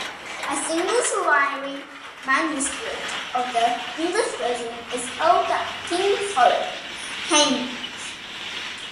A single surviving manuscript of the English version is held at King's College, Cambridge.